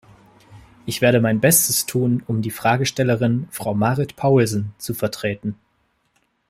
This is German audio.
Ich werde mein Bestes tun, um die Fragestellerin, Frau Marit Paulsen, zu vertreten.